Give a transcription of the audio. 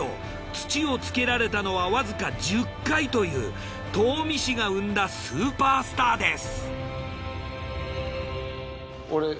土をつけられたのはわずか１０回という東御市が生んだスーパースターです。